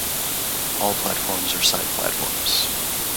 All platforms are side platforms.